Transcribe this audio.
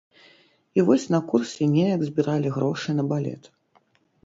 І вось на курсе неяк збіралі грошы на балет.